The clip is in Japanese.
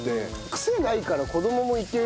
クセないから子どももいける。